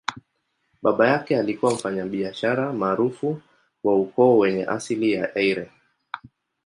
Baba yake alikuwa mfanyabiashara maarufu wa ukoo wenye asili ya Eire.